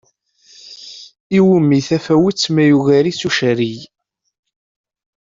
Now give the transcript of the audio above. Iwumi tafawett ma yugar-itt icerrig?